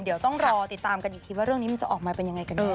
เดี๋ยวต้องรอติดตามกันอีกทีว่าเรื่องนี้มันจะออกมาเป็นยังไงกันดี